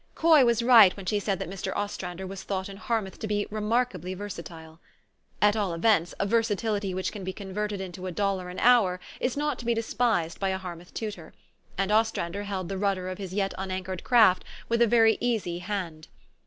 Coy was right when she said that Mr. Ostrander was thought in Harmouth to be remarkably versatile. At all events, a versatility which can be converted into a dollar an hour is not to be despised by a Harmouth tutor ; and Ostrander held the rudder of his yet unanchored craft with a very easy hand.